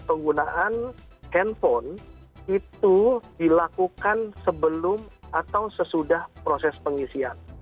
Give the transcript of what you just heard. penggunaan handphone itu dilakukan sebelum atau sesudah proses pengisian